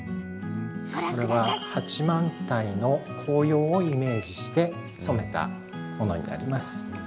これは八幡平の紅葉をイメージして染めたものになります。